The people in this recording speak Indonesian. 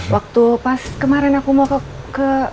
waktu pas kemarin aku mau ke